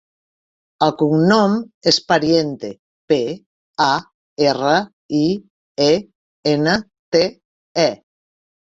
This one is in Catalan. El cognom és Pariente: pe, a, erra, i, e, ena, te, e.